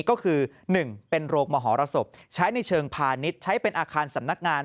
ก็คือ๑เป็นโรงมหรสบใช้ในเชิงพาณิชย์ใช้เป็นอาคารสำนักงาน